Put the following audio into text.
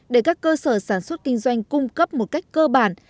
để các cơ sở sản xuất kinh doanh cung cấp một cách cơ bản